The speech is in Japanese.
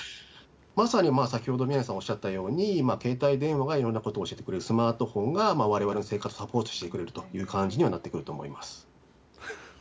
まさに先ほど、宮根さんがおっしゃったように、携帯電話がいろんなことを教えてくれる、スマートフォンがわれわれの生活をサポートしてくれるという感じにはなってくると思います。